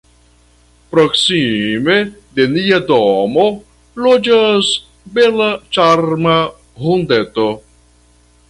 Proksime de nia domo loĝas bela, ĉarma, hundeto.